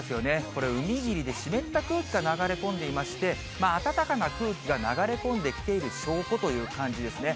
これ、海霧で湿った空気が流れ込んでいまして、暖かな空気が流れ込んできている証拠という感じですね。